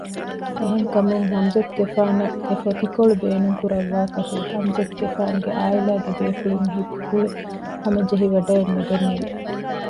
އެހެންކަމުން ޙަމްޒަތުގެފާނަށް ދެފޮތިކޮޅު ބޭނުންކުރައްވާކަށެއް ޙަމްޒަތުގެފާނުގެ ޢާއިލާގެ ބޭފުޅުން ހިތްޕުޅުހަމަޖެހިވަޑައެއް ނުގެންނެވި